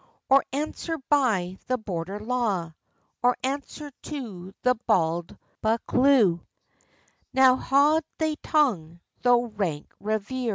Or answer by the border law? Or answer to the bauld Buccleuch?" "Now haud thy tongue, thou rank reiver!